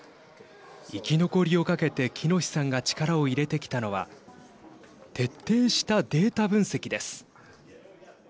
生き残りをかけて喜熨斗さんが力を入れてきたのは徹底したデータ分析です。